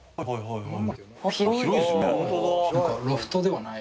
はい。